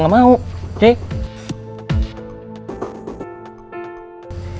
kita sepakat kita kerja sama